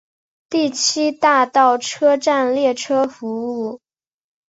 第七大道车站列车服务。